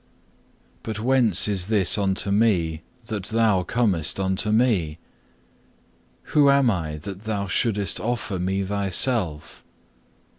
But whence is this unto me, that Thou comest unto me? Who am I that Thou shouldest offer me Thyself?